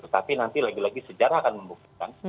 tetapi nanti lagi lagi sejarah akan membuktikan